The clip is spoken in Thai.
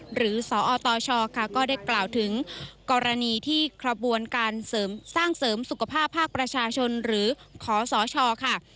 หรือสอตชค่ะก็ได้กล่าวถึงกรณีที่กระบวนการสร้างเสริมสุขภาพภาคประชาชนหรือขอสชค่ะ